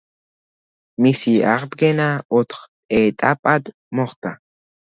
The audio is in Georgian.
მისი აღდგენა ოთხ ეტაპად მოხდა.